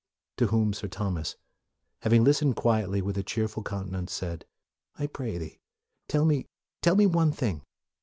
To whom Sir Thomas, having listened quietly with a cheerful countenance said, " I pray thee, tell me, tell me one thing."